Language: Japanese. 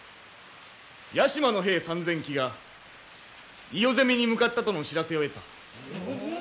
屋島の兵３，０００騎が伊予攻めに向かったとの知らせを得た。